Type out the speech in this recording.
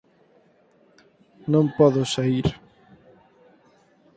...non podo saír.